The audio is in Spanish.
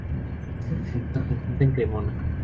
La sede central se encuentra en Cremona.